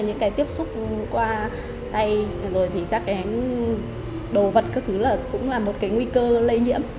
những tiếp xúc qua tay đồ vật các thứ cũng là một nguy cơ lây nhiễm